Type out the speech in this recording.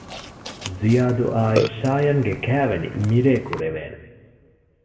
ޒިޔާދު އާއި ޝާޔަން ގެ ކައިވެނި މިރޭ ކުރެވޭނެ